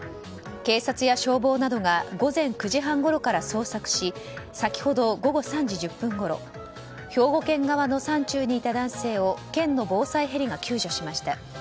警察や消防などが午前９時半ごろから捜索し先ほど午後３時１０分ごろ兵庫県側の山中にいた男性を県の防災ヘリが救助しました。